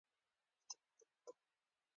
ښوونځی ته تلل د ویاړ خبره ده